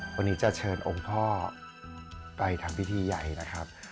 วันนี้จะเชิญองค์พ่อไปทำพิธีใหญ่นะครับ